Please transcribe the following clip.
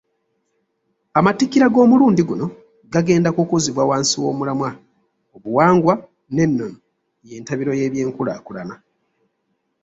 Amatikkira g'omulundi guno gagenda ku kuzibwa wansi w'omulamwa ,obuwangwa n'ennono y'entabiro y'ebyenkulaakulana.